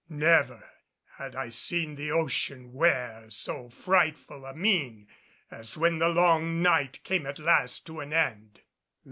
Never had I seen the ocean wear so frightful a mien as when the long night came at last to an end.